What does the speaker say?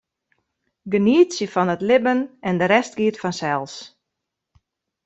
Genietsje fan it libben en de rest giet fansels.